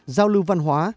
giao lưu văn hóa